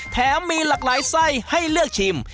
แถมมีหลากหลายไส้ให้เลือกชิม